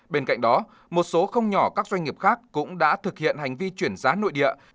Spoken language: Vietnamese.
bên cạnh đó một số không nhỏ các doanh nghiệp khác cũng đã thực hiện hành vi chuyển giá nội địa